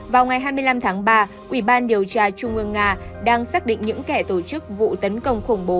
vào ngày hai mươi năm tháng ba ủy ban điều tra trung ương nga đang xác định những kẻ tổ chức vụ tấn công khủng bố